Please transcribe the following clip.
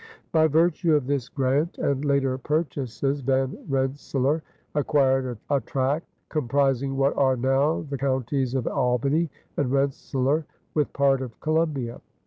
By virtue of this grant and later purchases Van Rensselaer acquired a tract comprising what are now the counties of Albany and Rensselaer with part of Columbia.